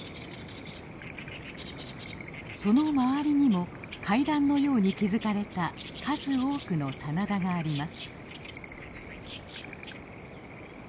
その周りにも階段のように築かれた数多くの棚田があります。